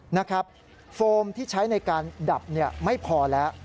นะครับโฟมที่ใช้ในการดับไม่พอแล้ว